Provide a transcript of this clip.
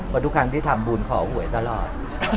เพราะทุกครั้งที่ทำบุญขอหวยตลอด